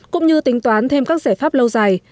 cũng như tính toán thêm các giải pháp lâu dài